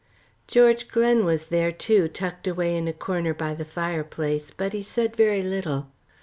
George Glen was there too, tucked away in a corner by the fireplace, but he said very little.